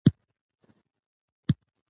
د غنمو کښت خورا ډیر ارزښت لری.